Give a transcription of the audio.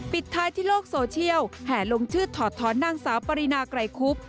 ปิดท้ายที่โลกโซเชียลแห่ลงชื่อถอดท้อนนางสาวปรินาไกรคุบ